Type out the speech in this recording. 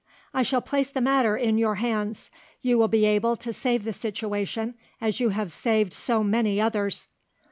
"I shall place the matter in your hands; you will be able to save this situation, as you have saved so many others."